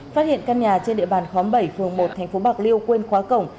phát hiện căn nhà trên địa bàn khóm bảy phường một tp bạc liêu quên khóa cổng